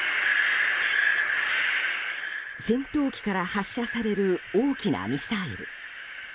戦闘機から発射される大きなミサイル。